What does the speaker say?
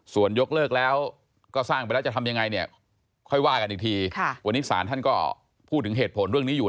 ส่วนยกเลิกก็สร้างไปแล้วจะทำยังไงเนี่ย